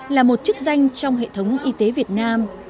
là một chức danh trong hệ thống y tế việt nam